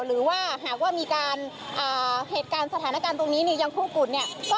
หรือว่าหากว่ามีการเหตุการณ์สถานการณ์ตรงนี้ยังคู่กุ่นเนี่ย